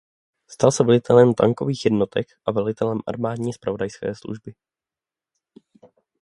Stal se velitelem tankových jednotek a velitelem armádní zpravodajské služby.